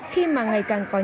khi mà ngày càng nhanh